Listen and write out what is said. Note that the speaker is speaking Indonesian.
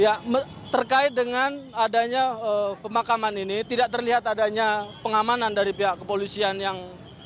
ya terkait dengan adanya pemakaman ini tidak terlihat adanya pengamanan dari pihak kepolisian yang